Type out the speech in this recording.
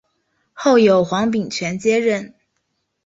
后由黄秉权接任。